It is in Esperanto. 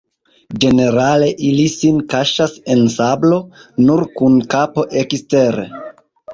Ĝenerale ili sin kaŝas en sablo, nur kun kapo ekstere.